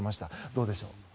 どうでしょう。